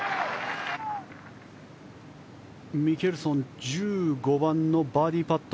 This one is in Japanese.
ミケルソン１５番のバーディーパット。